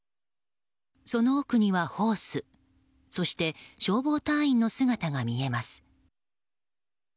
その奥にはホースそして消防隊員の姿が見えます。